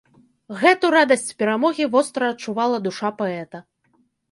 Гэту радасць перамогі востра адчувала душа паэта.